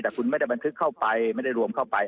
แต่คุณไม่ได้บันทึกเข้าไปไม่ได้รวมเข้าไป